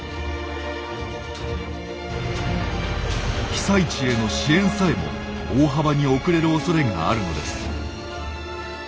被災地への支援さえも大幅に遅れるおそれがあるのです。